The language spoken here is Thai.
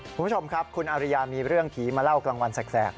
คุณผู้ชมครับคุณอาริยามีเรื่องผีมาเล่ากลางวันแสก